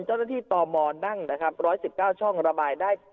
เจ้าหน้าที่ต่อมอนั่งนะครับร้อยสิบเก้าช่องระบายได้